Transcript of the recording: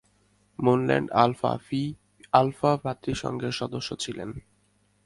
Moorland Alpha Phi Alpha ভ্রাতৃসংঘের সদস্য ছিলেন।